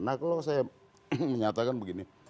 nah kalau saya menyatakan begini